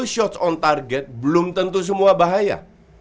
shots on target belum tentu semua bahaya